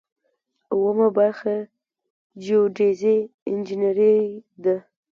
اوومه برخه جیوډیزي انجنیری ده.